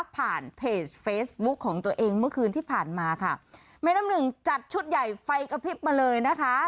ผ่านเพจเฟซบุ๊คของตัวเองเมื่อคืนที่ผ่านมาค่ะแม่น้ำหนึ่งจัดชุดใหญ่ไฟกระพริบมาเลยนะคะ